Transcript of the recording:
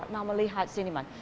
mereka mau melihat siniman